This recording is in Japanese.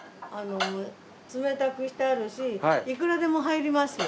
冷たくしてあるしいくらでも入りますよ。